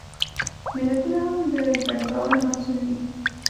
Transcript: ملتونه هم د ګډ باور محصول دي.